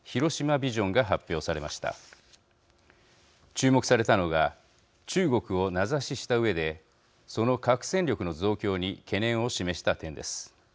注目されたのが中国を名指ししたうえでその核戦力の増強に懸念を示した点です。